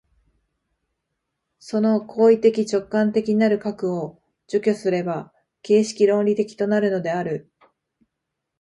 その行為的直観的なる核を除去すれば形式論理的となるのである。